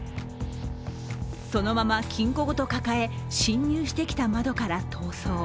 そのまま金庫ごと抱え、侵入してきた窓から逃走。